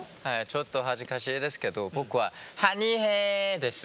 ちょっと恥ずかしいですけど僕は「ハニヘー」です。